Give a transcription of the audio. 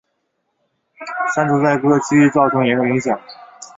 山竹在各区造成严重破坏。